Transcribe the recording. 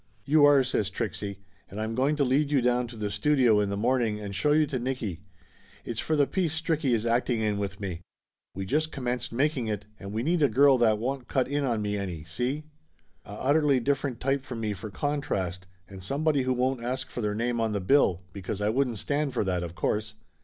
"You are," says Trixie. "And I'm going to lead you down to the studio in the morning and show you to Nicky. It's for the piece Stricky is acting in with me. We just commenced making it, and we need a girl that won't cut in on me any, see ? A utterly differ ent type from me for contrast, and somebody who won't ask for their name on the bill, because I wouldn't stand for that, of course.